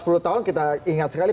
sepuluh tahun kita ingat sekali